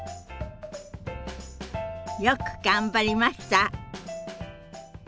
よく頑張りました。